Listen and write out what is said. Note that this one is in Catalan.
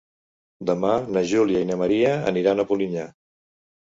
Demà na Júlia i na Maria aniran a Polinyà.